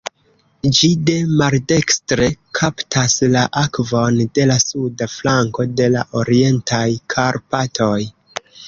Ĝi de maldekstre kaptas la akvon de la suda flanko de la Orientaj Karpatoj.